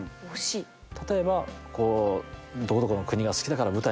例えばどこどこの国が好きだから舞台にしてみようとか。